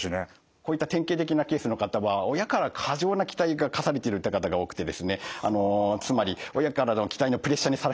こういった典型的なケースの方は親から過剰な期待が課されているっていう方が多くてですねつまり親からの期待のプレッシャーにさらされる中